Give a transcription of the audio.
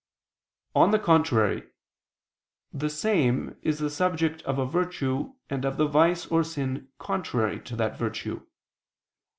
On the contrary, The same is the subject of a virtue and of the vice or sin contrary to that virtue.